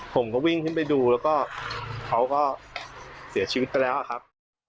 ผมก็วิ่งขึ้นไปดูแล้วก็เขาก็เสียชีวิตไปแล้วครับ